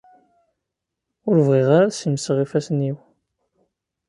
Ur bɣiɣ ara ad simseɣ ifassen-iw.